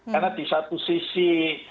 karena di satu sisi